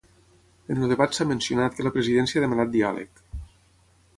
En el debat s’ha mencionat que la presidència ha demanat diàleg.